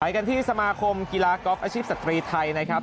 กันที่สมาคมกีฬาก๊อฟอาชีพสตรีไทยนะครับ